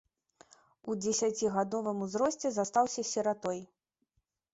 У дзесяцігадовым узросце застаўся сіратой.